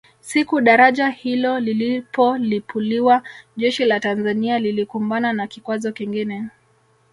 Siku daraja hilo lilipolipuliwa jeshi la Tanzania lilikumbana na kikwazo kingine